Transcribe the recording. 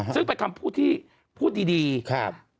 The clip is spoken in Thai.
ซึ่งเป็นคำพูดที่พูดดีครับ